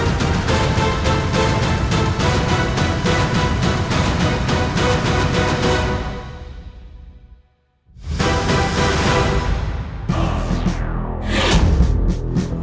aku tidak pernah pernah setelah kebaikan adanya